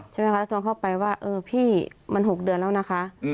ใช่ไหมคะตอนเข้าไปว่าเออพี่มัน๖เดือนแล้วนะคะ